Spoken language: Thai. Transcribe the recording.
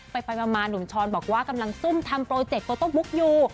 ไปมาหนุ่มช้อนบอกว่ากำลังซุ่มทำโปรเจคโต้บุ๊กอยู่